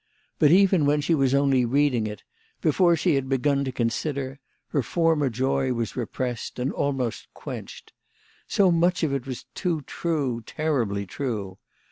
But even when she was only reading it, before she had begun to consider, her former joy was repressed and almost quenched. So much of it was too true, terribly true.